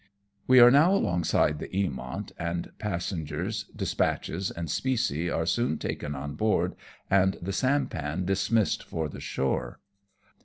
We are now alongside the Eamo7it, and passengers, dispatches, and specie are soon taken on board, and the sampan dismissed for the shore.